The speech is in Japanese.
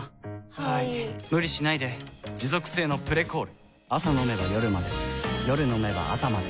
はい・・・無理しないで持続性の「プレコール」朝飲めば夜まで夜飲めば朝まで